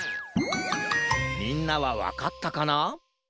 みんなはわかったかな？